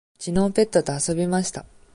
きのうペットと遊びました。